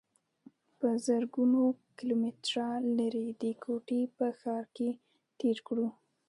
پۀ زرګونو کلومټره لرې د کوټې پۀ ښار کښې تير کړو